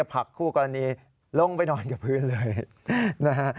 ผักคู่กรณีลงไปนอนกับพื้นเลยนะฮะ